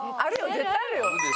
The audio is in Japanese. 絶対あるよ。